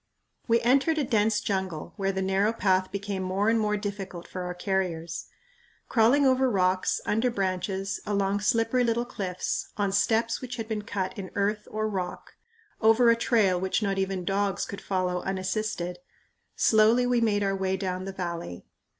We entered a dense jungle, where the narrow path became more and more difficult for our carriers. Crawling over rocks, under branches, along slippery little cliffs, on steps which had been cut in earth or rock, over a trail which not even dogs could follow unassisted, slowly we made our way down the valley.